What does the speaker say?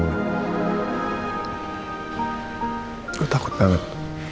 gue takut banget